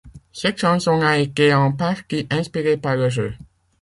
Cette chanson a été en partie inspirée par le jeu.